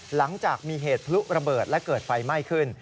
หลังจากมีเหตุพลุระเบิดและเกิดไฟไหม้ขึ้น